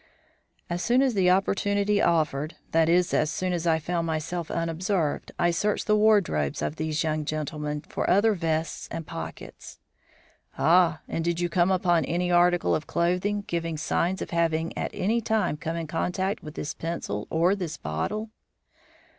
"As soon as opportunity offered, that is, as soon as I found myself unobserved, I searched the wardrobes of these young gentlemen for other vests and pockets." "Ah, and did you come upon any article of clothing giving signs of having at any time come in contact with this pencil or this bottle?"